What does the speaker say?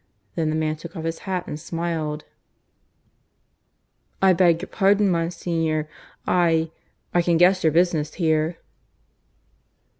Then the man took off his hat and smiled. "I beg your pardon, Monsignor ... I ... I can guess your business here."